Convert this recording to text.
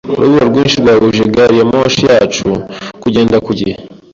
Urubura rwinshi rwabujije gari ya moshi yacu kugenda ku gihe.